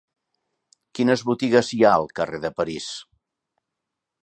Quines botigues hi ha al carrer de París?